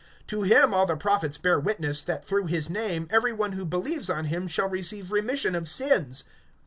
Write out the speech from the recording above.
(43)To him all the prophets bear witness, that through his name every one who believes on him shall receive remission of sins.